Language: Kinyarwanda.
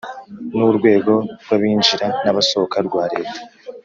n’urwego rw’abinjira n’abasohoka rwa leta.